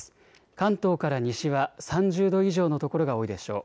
関東から西は３０度以上の所が多いでしょう。